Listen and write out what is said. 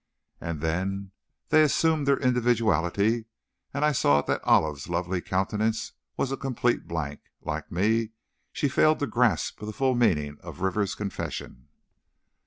And then, they assumed their individuality and I saw that Olive's lovely countenance was a complete blank; like me, she failed to grasp the full meaning of Rivers' confession.